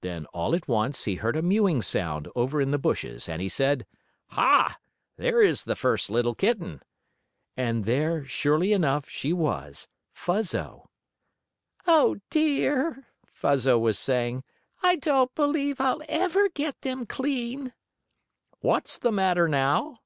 Then, all at once, he heard a mewing sound over in the bushes, and he said: "Ha! There is the first little kitten!" And there, surely enough she was Fuzzo! "Oh, dear!" Fuzzo was saying, "I don't believe I'll ever get them clean!" "What's the matter now?"